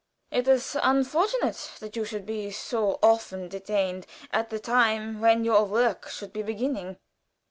"It is unfortunate that you should be so often detained at the time when your work should be beginning."